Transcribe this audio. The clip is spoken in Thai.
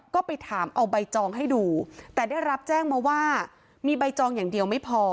ก็ไปถามเอาใบจองให้ดูแต่ได้รับแจ้งมาว่ามีใบจองอย่างเดียวไม่พอ